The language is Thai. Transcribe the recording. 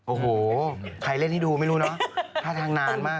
โอ้โหใครเล่นให้ดูไม่รู้เนอะท่าทางนานมาก